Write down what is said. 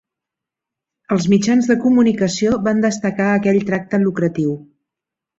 Els mitjans de comunicació van destacar aquell tracte lucratiu.